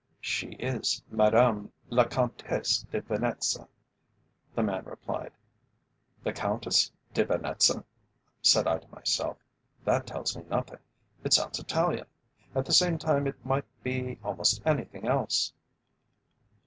"She is Madame la Comtesse de Venetza," the man replied. "The Countess de Venetza?" said I to myself, "that tells me nothing. It sounds Italian. At the same time it might be almost anything else."